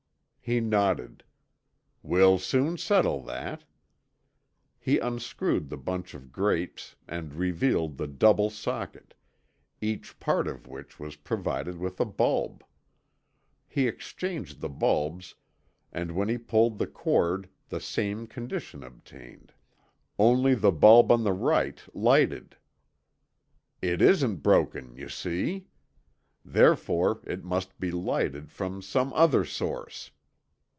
He nodded. "We'll soon settle that." He unscrewed the bunch of grapes and revealed the double socket, each part of which was provided with a bulb. He exchanged the bulbs and when he pulled the cord the same condition obtained. Only the bulb on the right lighted. "It isn't broken, you see. Therefore, it must be lighted from some other source.